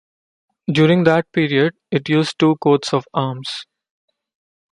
During that period, it used two coats of arms.